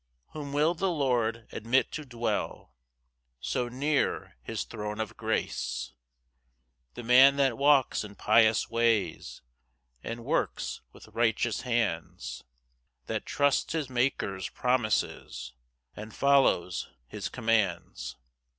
Whom will the Lord admit to dwell So near his throne of grace? 2 The man that walks in pious ways, And works with righteous hands; That trusts his Maker's promises, And follows his commands.